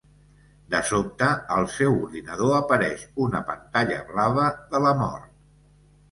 De sobte, al seu ordinador apareix una pantalla blava de la mort.